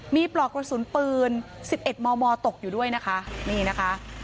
มีปลอกระสุนปืนสิบเอ็ดมอมอตกอยู่ด้วยนะคะนี่นะคะ